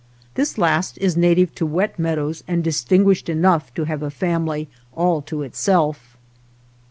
This last is native to wet meadows and distinguished enough to have a family all to itself.